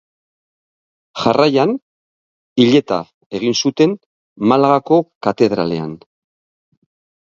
Jarraian hileta egin zuten, Malagako Katedralean.